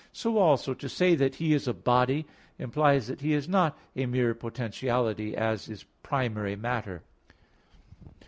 So also to say that He is a body implies that He is not a mere potentiality, as is primary matter.